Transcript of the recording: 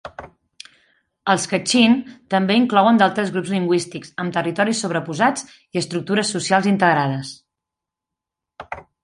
Els Katxin també inclouen d'altres grups lingüístics amb territoris sobreposats i estructures socials integrades.